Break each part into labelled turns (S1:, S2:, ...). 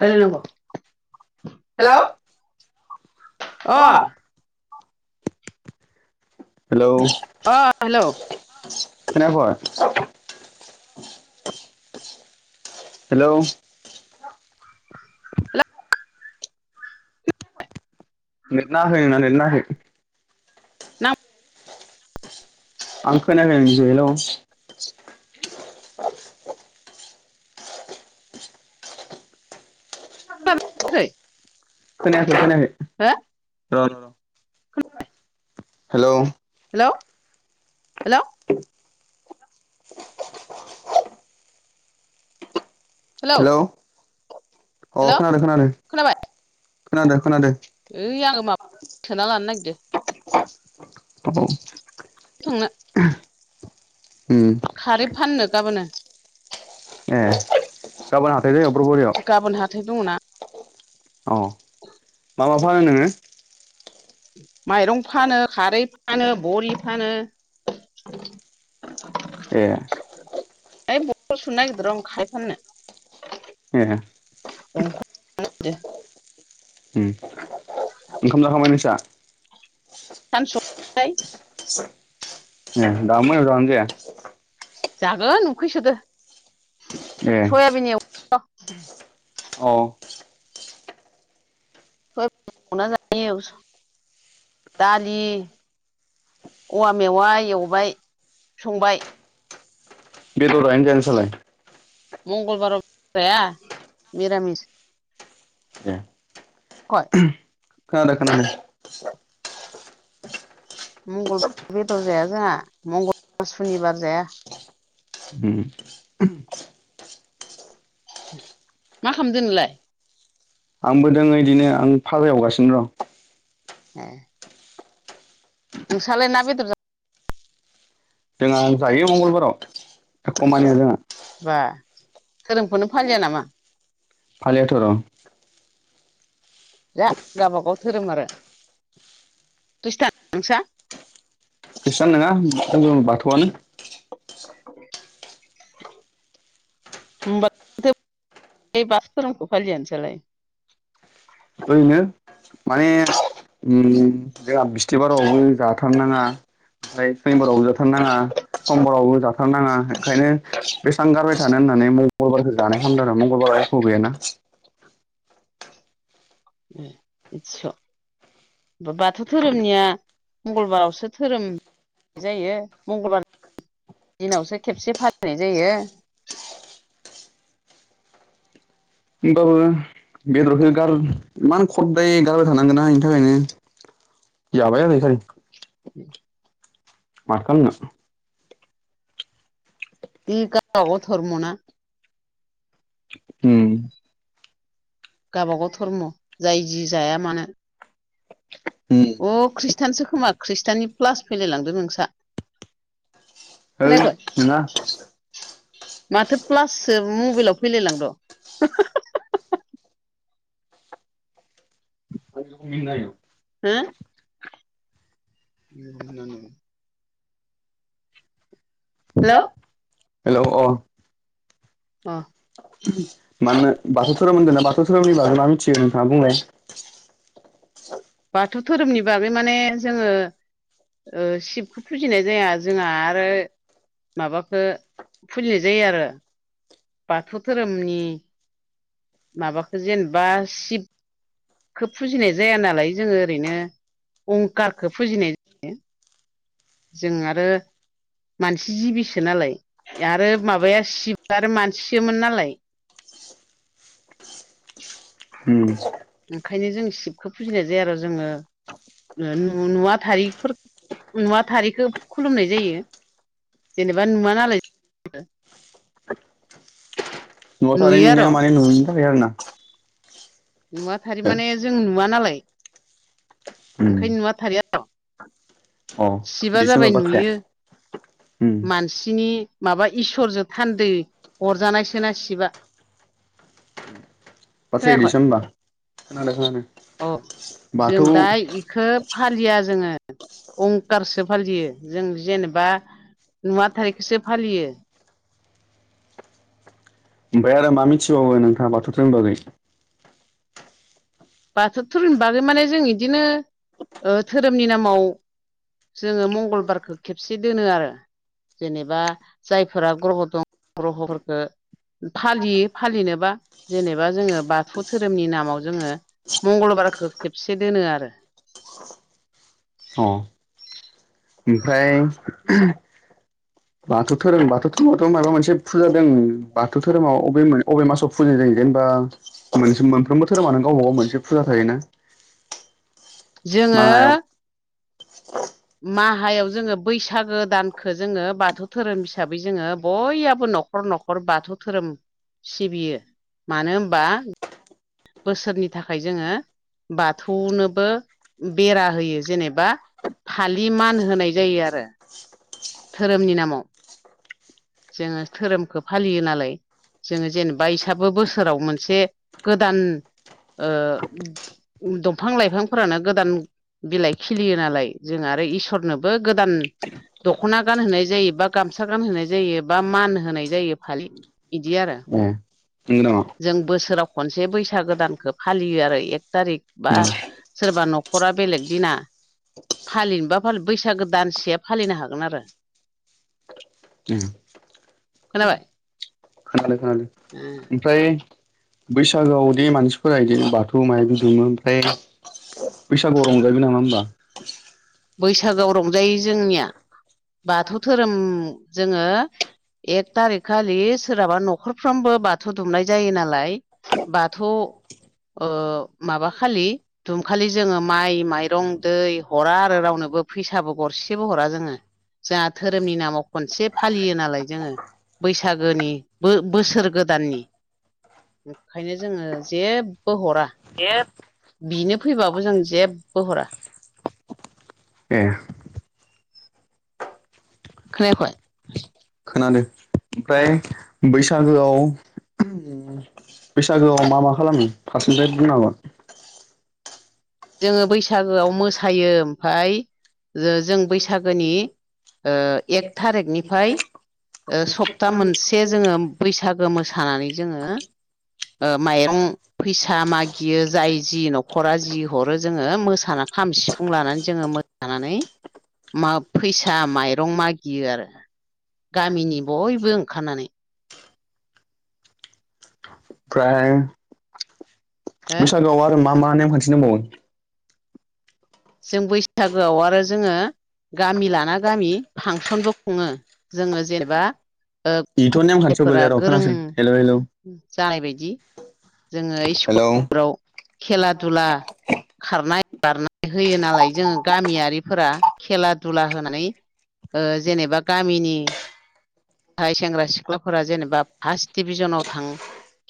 S1: रायलाइ नांगौ हेलौ अ
S2: हेलौ
S1: अ हेलौ
S2: खनायाखै [inaudible] हेल'
S1: हेल
S2: नेट नाङाखै नोंना नेट नाङाखै
S1: नां
S2: आं खोनायाखै नोंनिखौ हेल'
S1: [unintelligible]
S2: खोनायाखै
S1: हो
S2: खोनायाखै हेलौ
S1: हेलौ हेलौ
S2: [inaudible]
S1: हेलौ
S2: हेल' अ
S1: हेलौ
S2: खोनादों खोनादों
S1: खोनाबाय
S2: खोनादों खोनादों
S1: ओइ आङो माबा सोना लानो नागिरदों
S2: औ
S1: थांनो
S2: उम
S1: खारै फाननो गाबोनो
S2: ए गाबोन हाथाय जायो बोर बुरियाव
S1: गाबोन हाथाय दङना
S2: अ मा मा फानो नोङो
S1: माइरं फानो खारै फानो बरि फानो
S2: ए
S1: होय बथल सुनो नागिरदों र' आं खारै फाननो
S2: ए
S1: [unintelligible]
S2: उ ओंखाम जाखांबाय नोंसा,?
S1: सानसबाय
S2: दा मोनायाव जागोन दे
S1: जागोन उखैसोदो
S2: ए
S1: सयाबिन एव [unintelligible]
S2: अ
S1: [unintelligible] दालि औवा मेवा एवबाय संबाय।
S2: बेदर जानो ना जाया नोंसालाय।
S1: मंगलबारावाया मिरामिस।
S2: ए।
S1: [inaudible]
S2: खोनादों खोनादों।
S1: मंगलबार बेदर जाया जोंहा मंगलबार सुनिबार जाया।
S2: उम।
S1: मा खालामदों नोंलाय।
S2: आंबो दङ इदिनो आं फाजा ऐवगासिनो दं।
S1: ए। नोंस्रालाय ना बेदर जा
S2: जोंहा जायो मंगलबाराव कमानिया जोंहा
S1: जाबा धोरोमखौनो फालिया नामा।
S2: फलियाथ' आर
S1: जा गावबागाव धोरोम आरो ख्रिस्टान नोंसा।
S2: खृष्टान नङा जों बाथौआनो
S1: [unintelligible] बाथौ धोरोमखौ फलिया नोंसालाय।
S2: ओरैनो माने जोंहा बिस्थिबारावबो जाथों। जाथारनाङा ओमफ्राय सेम्बारावबो जाथारनााङा समबारावबो जाथारनाङा। ओंखायनो बेसेबां गारबाय थानो होननानै मंगलबारखौ जानाय खालामदों आरो मंगलबार एख' गैयाना। [inaudible]
S1: ए इदिसो। बाथौ धोरोमनिया मंगलबारावसो धोरोम। जायो मंगलबार। दिनावसो खेबसे फालिनाय जायो।
S2: ओमबाबो। बेदरखौ गार इमान खददाय गारबाय थानांगोना बेनि थाखायनो जाबाय जों नखानि
S1: उम।
S2: मा खालामगासिनो दं।
S1: बि गाबा गाव धर्मना।
S2: उम।
S1: गावबागाव धर्म जाय जि जाया मानो।
S2: उम
S1: अ खृष्टानसो खोमा खृष्टाननि प्लास फैलाय लांदो नोंसा।
S2: ओइ
S1: खोनायाखै।
S2: नोंङा
S1: माथो प्लाससो मबाइलाव फैलायलांद'।
S2: [unintelligible]
S1: हो [unintelligible]
S2: हेल हेल' अ।
S1: अ
S2: माने बाथौ धोरोमनि मिथिग नोंथाङा बुंलाय।
S1: बाथौ धोरोमनि बागै माने जोङो ओ शिबखौ फुजिनाय जाया जोंहा आरो माबााखौ फुजिनाय जायो आरो बाथौ धोरोमनि माबाखौ जेनेबा सिब खो फुजिनाय जाया नालाय जोङो ओरैनो अंखारखौ फुजिनाय जायो। जों आरो मानसि जिबिसोनालाय आरो माबाया सिब आरो मानसिसोमोन नालाय।
S2: उम
S1: ओंखायनो जों शिबखौ फुजिनाय जाया आरो जोङो नु-नुवा नुवा थारिख नुवा थारिखखौ खुलुमनाय जायो। जेनेबा नुवा नालाय
S2: नुवाथारि
S1: नुयो आरो
S2: मिनिङा माने नुयिनि थाखाय आरोना
S1: नुवाथारि माने जों नुवा नालाय
S2: उम
S1: ओंखायनो नुवा थारैया
S2: अ
S1: सिबा
S2: बिदिसो
S1: जाबाय
S2: होमबा बाथ्राया
S1: नुयो
S2: उम
S1: मानसिनि माबा इसोरजों थान्दै अरजानायसोना सिबा खोनायाखै
S2: फाथैसो होमबा खोनादों खोनादों
S1: अ जों
S2: बाथौ
S1: दा इखौ फालिया जोङो अंखारसो फालियो जों जेनेबा नुवा थारिखोसो फालियो
S2: ओमफाय आरो मा मिथिबावो नोंथाङा बाथौ धोरोम बागै
S1: बाथौ धोरोमनि बागै माने जों इदिनो धोरोमनि नामाव जोङो मंगलबारखौ खेबसे दोनो आरो जेनेबा जायफोरा ग्रह' दं ग्रह'फोरखौ फालियो फालिनोबा जेनेबा जोङो बाथौ धोरोमनि नामाव जोङो मंगलबारखौ खेबसे दोनो आरो
S2: अ ओमफ्राय बाथौ धोरोम बाथौ धोरोमावथ' माबा मोनसे फुजा दों बाथौ धोरोमाव अबे अबे मासाव फुजा जायो जेनेबा बा मोनफ्रोमबो धोरोमानो गावबागाव मोनसे फुजा थायोना
S1: जोङो
S2: मायाव [unintelligible]
S1: माहायाव जोङो बैसागो दानखौ जोङो बाथौ धोरोम हिसाबै जोङो बयहाबो न'खर न'खर बाथौ धोरोम सिबियो मानो होनबा बोसोरनि थाखाय जोङो बाथौनोबो बेरा होयो जेनेबा फालि मान होनाय जायो आरो धोरोमनि नामाव जोङो धोरोमखौ फालियो नालाय जोङो जेनेबा इसाबो बोसोराव मोनसे गोदान ओ दफां-लाइफांफोरानो गोदान बिलाइ खिलियो नालाय जों आरो इसरनोबो गोदान दख'ना गानहोनाय जायो बा गामसा गानहोनाय जायो बा मान होनाय जायो फालि बिदि आरो
S2: ए नंगौ
S1: जों बोसोराव खनसे बैसागोदानखौ फालियो आरो एक थारिख बा
S2: नामा
S1: सोरबा न'खरा बेलेग दिना फालिनोबा फालि बैसागो दानसेया फालिनो हागोन आरो
S2: उ
S1: खोनाबाय
S2: खोनादों खोनादों ओमफ्राय बैसागोआव दे मानसिफोरा इदि बाथौ माइबि दुमो ओमफ्राय बैसागु आव रजायोबो नामा होमबा
S1: बैसागआव रंजायो जोंनिया बाथौ धोरोम जोङो एक थारिक खालि सोरहाबा न'खरफ्रामबो बाथौ दुमनाय जायो नालाय बाथौ ओ माबाखालि दुमखालि जोङो माइ माइरं दै हरा आरो रावनोबो फैसाबो गरसेबो हरा जोङो जोहा धोरोमनि नामाव खनसे फालियो नालाय जोङो बैसागोनि बो-बोसोर गोदाननि ओंखायनो जोङो जेबो हरा बिनो फैबाबो जों जेबो हरा
S2: ए
S1: खोनायाखय?
S2: ओमफाय बैसागोआव
S1: [inaudible]
S2: बैसागोआव मा मा खालामो फारसेनिफ्राइ बुंनो [unintelligible]
S1: जोङो बैसागोआव मोसायो ओमफाय जो जों बैसागोनि ओ एक थारिखनिफ्राय ओ सप्ता मोनसे जोङो बैसागो मोसा थानानै जोङो ओ माइरं फैसा मागियो जाय जि न'खरा जि हरो जोङो मोसानानै खाम सिफुं लानानै जोङो मोसानानै मा फैसा माइरं मागियो आरो। गामिनि बयबो ओंखारनानै।
S2: प्राय
S1: हो
S2: बैसागोआव आरो मा मा नेम खान्थि दंबावो?
S1: जों बैसागोआव आरो जोङो गामि लाना गामि फांसनबो खुङो जोङो जेनेबा ओ
S2: बेथ' नेमखान्थियाव
S1: गथ'थायफोरा
S2: गोलैया र'
S1: गोरों
S2: खोनासं हेलौ हेलौ
S1: जानाय बायदि जोङो
S2: हेलौ
S1: इस्कुलफोराव खेला दुला खारनाय बारनाय होयो नालाय जोङो गामियारिफोरा खेला दुला होनानै ओ जेनेबा गामिनि नथाय सेंग्रा सिख्लाफोरा जेनेबा फास्ट डिभिजनाव थां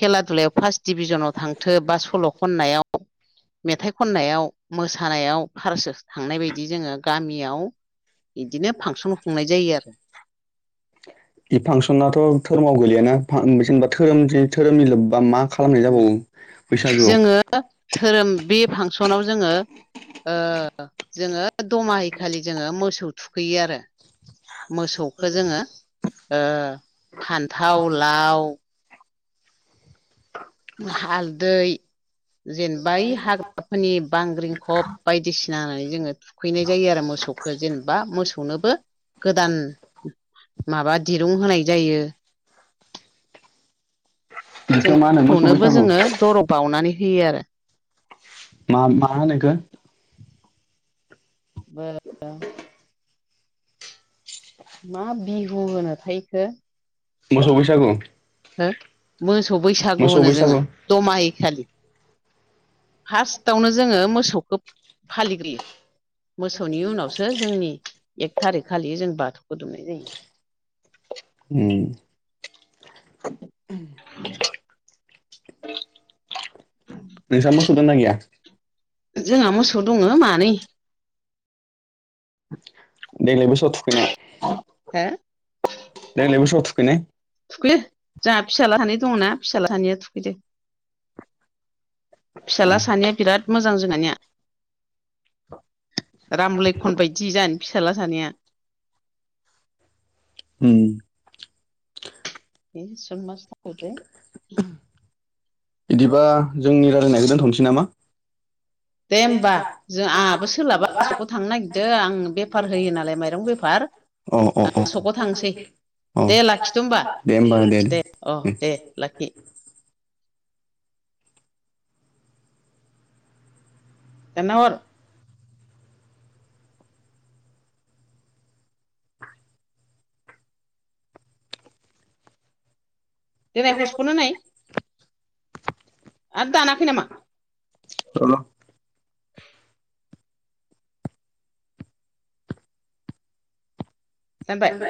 S1: खेला दुलायाव फास्ट डिभिजनाव थांथो बा सल' खननायाव मेथाइ खननायाव मोसानायाव फारस थांनाय बायदि जोङो गामियाव बिदिनो फांसन खुंनाय जायो आरो।
S2: बे फांसनाथ' धोरमाव गोलैयाना जेनेबा धोरोम धोरोमनि लोब्बा मा खालामनाय
S1: उम
S2: जाबावो? बैसागुआव
S1: जोङो धोरोम बे फांसनाव जोङो ओ जोङो दमाहि खालि जोङो मोसौ थुखैयो आरो मोसौखौ जोङो ओ फान्थाव लाव हालदै जेनेबा ओइ हाग्राफोरनि बांग्रिंखब बायदिसिन फिनानै जोङो थुखैनाय जायो आरो मोसौखौ जेनेबा मोसौनोबो गोदान माबा दिरुं होनाय जायो।
S2: [inaudible] बेखौ मा होनो मोसौ
S1: जोंखौनोबो
S2: बैसागु
S1: जोङो दर' बउनानै होयो आरो।
S2: मा मा ओनो इखो?
S1: ब ब मा बिहु होनोथायखो
S2: मोसौ बैसागु?
S1: ओ मोसौ बैसागु
S2: मोसौ
S1: होनो जोङो
S2: बैसागु
S1: दमाहिखालि।
S2: [inaudible]
S1: फार्स्टआवनो जोङो मोसौखौ फालिग्रोयो। मोसौनि उनावसो जोंनि एक थारिख खालि जों बाथौ खो दुमनाय जायो।
S2: उम
S1: [unintelligible]
S2: नोंसा मोखौ दंनां गैया?
S1: जोंहा मोसौ दङ मानै।
S2: देग्लायबो [unintelligible] थुखैया
S1: हो
S2: [unintelligible]
S1: थुखैयो जाहा फिसाला सानै दंना फिसाला सानैया थुखैदो। फिसाला सानैया बिराद मोजां जोंहानिया [inaudible] राम लैखन बायदि जाद फिसाला सानैया
S2: उम।
S1: [unintelligible]
S2: बिदिबा जोंनि रायलायनायखौ दोनथ'नोसै नामा?
S1: दे होमबा जों आंहाबो सोलाबा सकाव थांनो नागिरदों आं बेफार होयो नालाय माइरं बेफार।
S2: अ अ अ।
S1: सकआव थांसै
S2: औ
S1: दे लाखिथ' होमबा दे अ दे लाखि। दानना हर। देनाय हसपत होनाय। आरो दानाखै नामा?
S2: औ
S1: दानबाय।